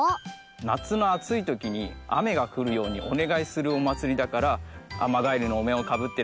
なつのあついときにあめがふるようにおねがいするおまつりだからアマガエルのおめんをかぶってるんだ。